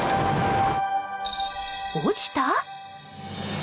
落ちた？